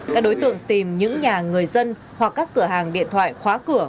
các đối tượng tìm những nhà người dân hoặc các cửa hàng điện thoại khóa cửa